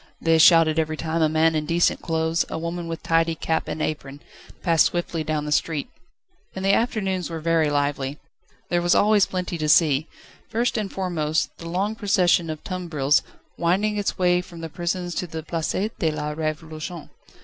they shouted every time a man in decent clothes, a woman with tidy cap and apron, passed swiftly down the street. And the afternoons were very lively. There was always plenty to see: first and foremost, the long procession of tumbrils, winding its way from the prisons to the Place de la Révolution.